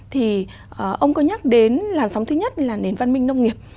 thì ông có nhắc đến làn sóng thứ nhất là nền văn minh nông nghiệp